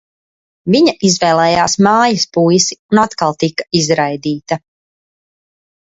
Viņa izvēlējās mājas puisi un atkal tika izraidīta.